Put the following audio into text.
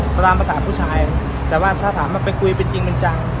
ก็ตามภาษาผู้ชายแต่ถ้าถามมาไปคุยเป็นจริงเป็นจัง